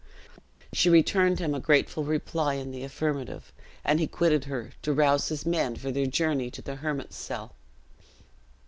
She returned him a grateful reply, in the affirmative; and he quitted her, to rouse his men for their journey to the hermit's cell.